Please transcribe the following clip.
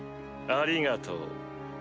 ありがとう。